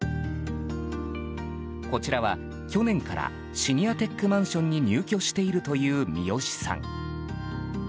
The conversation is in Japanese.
こちらは、去年からシニアテックマンションに入居しているという三好さん。